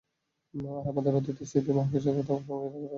আর আমাদের অতীতের স্মৃতি মহাকাশে কোথাও সংরক্ষিত করে রাখা হয়েছে?